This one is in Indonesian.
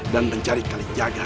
dan mencari kali jaga